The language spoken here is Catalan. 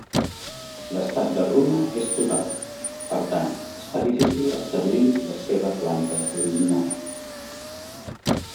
L'estat de runa és total, per tant es fa difícil establir la seva planta original.